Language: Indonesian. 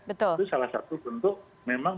itu salah satu bentuk memang